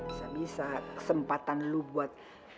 bisa bisa kesempatan lu buat